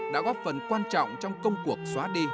đã góp phần quan trọng trong công cuộc xóa đi